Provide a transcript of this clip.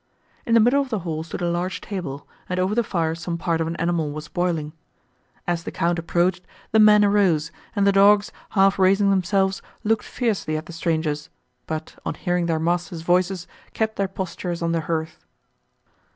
In the middle of the hall stood a large table, and over the fire some part of an animal was boiling. As the Count approached, the men arose, and the dogs, half raising themselves, looked fiercely at the strangers, but, on hearing their masters' voices, kept their postures on the hearth.